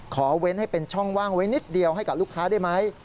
เว้นให้เป็นช่องว่างไว้นิดเดียวให้กับลูกค้าได้ไหม